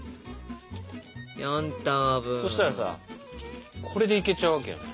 そしたらさこれでいけちゃうわけよね。